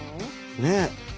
ねえ。